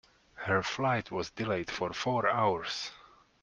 Her flight was delayed for four hours.